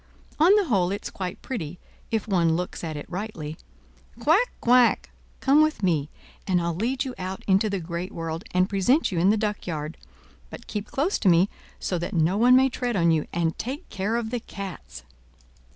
On the whole it's quite pretty, if one looks at it rightly. Quack! quack! come with me, and I'll lead you out into the great world, and present you in the duckyard; but keep close to me, so that no one may tread on you, and take care of the cats!"